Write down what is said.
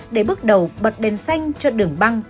để bước đầu bật đèn xanh cho đường băng